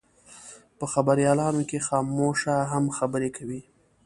په خبریالانو کې خاموشه هم خبرې کوي.